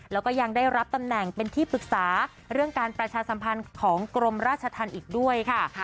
แล้วก็ยังได้รับตำแหน่งเป็นที่ปรึกษาเรื่องการประชาสัมพันธ์ของกรมราชธรรมอีกด้วยค่ะ